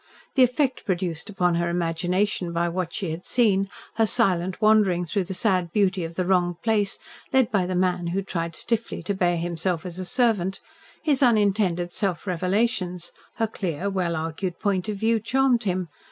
The effect produced upon her imagination by what she had seen, her silent wandering through the sad beauty of the wronged place, led by the man who tried stiffly to bear himself as a servant, his unintended self revelations, her clear, well argued point of view charmed him.